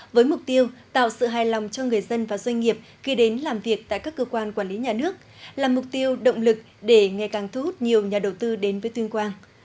với mục tiêu tạo sự hài lòng cho người dân và doanh nghiệp khi đến làm việc tại các cơ quan quản lý nhà nước là mục tiêu động lực để ngày càng thu hút nhiều nhà đầu tư đến với tương quang